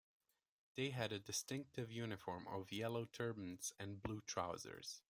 They had a distinctive uniform of yellow turbans and blue trousers.